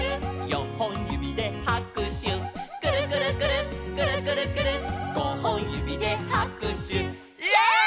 「よんほんゆびではくしゅ」「くるくるくるっくるくるくるっ」「ごほんゆびではくしゅ」イエイ！